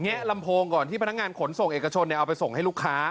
ลำโพงก่อนที่พนักงานขนส่งเอกชนเอาไปส่งให้ลูกค้า